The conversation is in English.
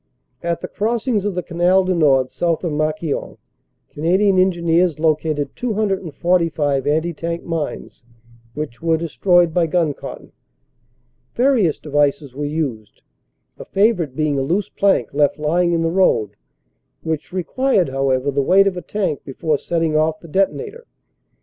At the crossings of the Canal du Nord south of Marquion Canadian Engineers located 245 anti tank mines, which were destroyed by gun cotton. Various devices were used, a favorite being a loose plank left lying in the road which required however the weight of a tank before setting off the detonator.